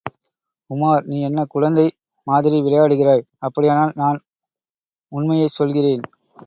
உமார் நீ என்ன குழந்தை மாதிரி விளையாடுகிறாய்? அப்படியானால், நான் உண்மையாகச் சொல்கிறேன்.